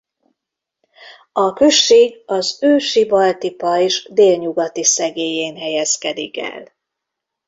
A község az ősi balti pajzs délnyugati szegélyén helyezkedik el.